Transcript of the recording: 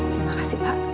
terima kasih pak